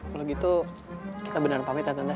kalau gitu kita beneran pamit ya tante